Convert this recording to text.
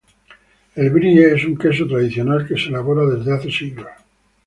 El brie es un queso tradicional que se elabora desde hace siglos.